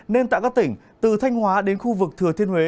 nên tại các tỉnh từ thanh hóa đến khu vực thừa thiên huế